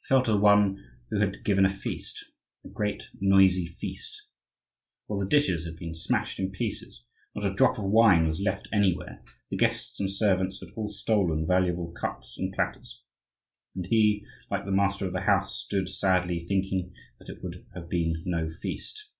He felt as one who had given a feast, a great noisy feast. All the dishes had been smashed in pieces; not a drop of wine was left anywhere; the guests and servants had all stolen valuable cups and platters; and he, like the master of the house, stood sadly thinking that it would have been no feast.